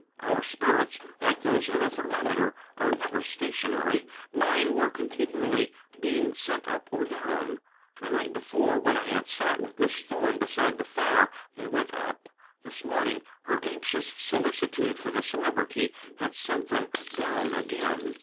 Our spirits, like those in a thermometer, are never stationary: mine were continually being sent up or down. The night before, when I had sat with Miss Thorn beside the fire, they went up; this morning her anxious solicitude for the Celebrity had sent them down again.